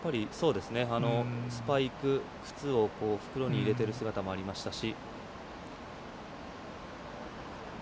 スパイク、靴を袋に入れている姿もありましたし。